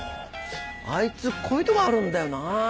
あいつこういうとこあるんだよな。